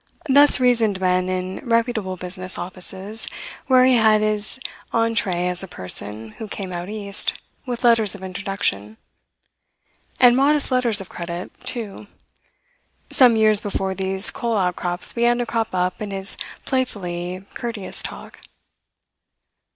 Thus reasoned men in reputable business offices where he had his entree as a person who came out East with letters of introduction and modest letters of credit, too some years before these coal outcrops began to crop up in his playfully courteous talk.